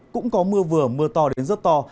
cũng có mưa vừa mưa to đến rất to